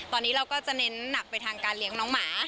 ตอนนี้เราก็จะเน้นหนักไปทางการเลี้ยงน้องหมา